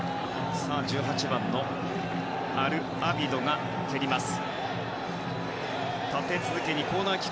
１８番のアルアビドが蹴ります。